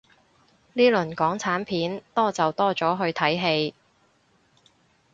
呢輪港產片多就多咗去睇戲